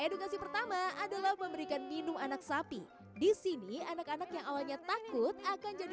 edukasi pertama adalah memberikan minum anak sapi disini anak anak yang awalnya takut akan jadi